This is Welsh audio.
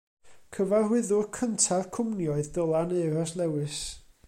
Cyfarwyddwr cynta'r cwmni oedd Dylan Euros Lewis.